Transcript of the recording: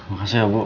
makasih ya bu